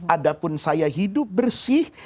adapun saya hidup bersih